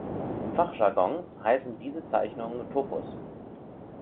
Im Fachjargon heißen diese Zeichnungen Topos.